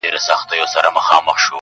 چي وهل یې د سیند غاړي ته زورونه؛